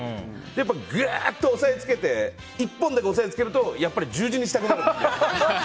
やっぱりぐっと押さえつけて１本だけ押さえつけるとやっぱり十字にしたくなるの。